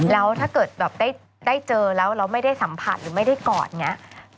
แล้วถ้าเกิดแบบได้เจอแล้วเราไม่ได้สัมผัสหรือไม่ได้กอดอย่างนี้